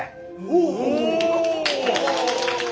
お！